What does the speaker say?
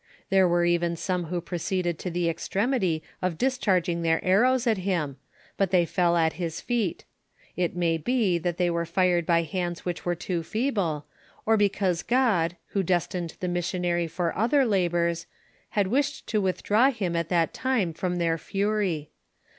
There wore oven some who proceeded to tlto extremity of disehar({ing their ar rows at him, but they fell at hia feet ; it moy be that they were fired by hands which were too feeble, or because Qod, who destined the missionary fur other labors, had wished to withdraw him at that time from tlieir fury.